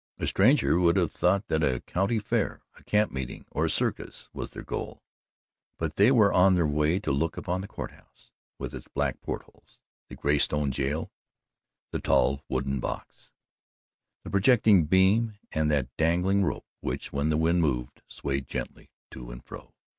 A stranger would have thought that a county fair, a camp meeting, or a circus was their goal, but they were on their way to look upon the Court House with its black port holes, the graystone jail, the tall wooden box, the projecting beam, and that dangling rope which, when the wind moved, swayed gently to and fro.